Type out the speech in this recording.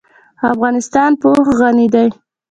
افغانستان په اوښ غني دی.